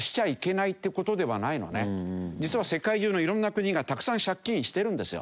実は世界中の色んな国がたくさん借金してるんですよ。